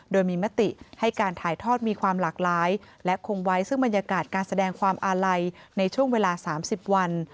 โดยมีมติให้การถ่ายทอดมีความหลากหลายและคงไว้ซึ่งบรรยากาศการแสดงความอาลัยในช่วงเวลา๓๐วัน